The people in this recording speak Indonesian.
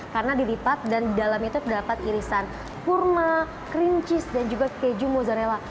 karena dilipat dan di dalamnya itu dapat irisan kurma cream cheese dan juga keju mozzarella